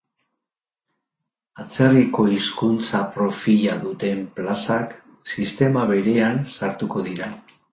Atzerriko hizkuntza profila duten plazak sistema berean sartuko dira.